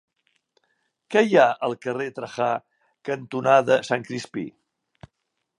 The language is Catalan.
Què hi ha al carrer Trajà cantonada Sant Crispí?